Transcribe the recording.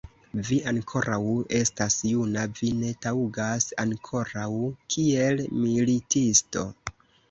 Vi ankoraŭ estas juna, vi ne taŭgas ankoraŭ kiel militisto.